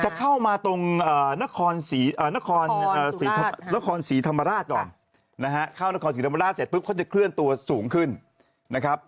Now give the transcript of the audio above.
จะเข้ามาตรงนครศรีธรรมราชเสร็จครับ